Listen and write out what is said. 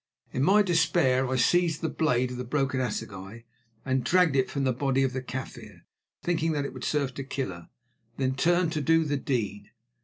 In my despair I seized the blade end of the broken assegai and dragged it from the body of the Kaffir, thinking that it would serve to kill her, then turned to do the deed.